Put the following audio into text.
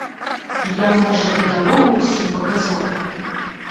Я, можа, і дарогу ўсім паказаў.